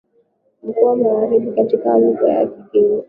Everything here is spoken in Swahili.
Mkoa wa Magharibi katika lugha ya kigeni